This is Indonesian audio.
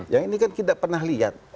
yang ini kan tidak pernah lihat